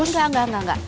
enggak enggak enggak